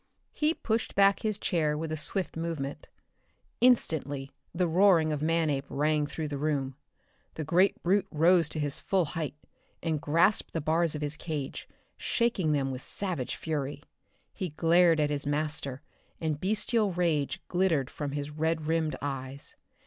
He pushed back his chair with a swift movement. Instantly the roaring of Manape rang through the room. The great brute rose to his full height and grasped the bars of his cage, shaking them with savage fury. He glared at his master and bestial rage glittered from his red rimmed eyes.